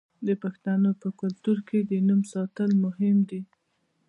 د پښتنو په کلتور کې د نوم ساتل مهم دي.